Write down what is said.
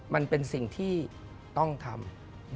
มันเป็นสิ่งที่ต้องทำ